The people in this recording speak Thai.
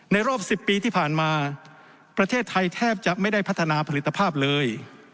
รอบ๑๐ปีที่ผ่านมาประเทศไทยแทบจะไม่ได้พัฒนาผลิตภาพเลย